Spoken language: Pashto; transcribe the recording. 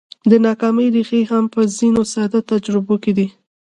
د ناکامۍ ريښې هم په ځينو ساده تجربو کې دي.